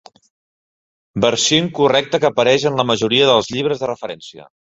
Versió incorrecta que apareix en la majoria dels llibres de referència.